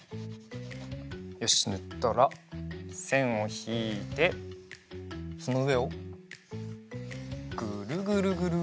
よしぬったらせんをひいてそのうえをぐるぐるぐる。